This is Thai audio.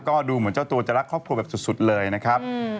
ก็ดูเหมือนเจ้าตัวจะรักครอบครัวแบบสุดเลยนะครับ